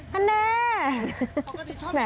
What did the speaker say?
หันแน่